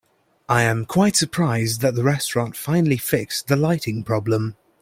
I am quite surprised that the restaurant finally fixed the lighting problem.